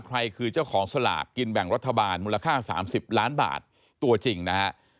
ใครคือเจ้าของสลากกินแบ่งรัฐบาลมูลค่า๓๐ล้านบาทตัวจริงนะฮะ